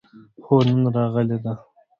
هو، نن راغلې ده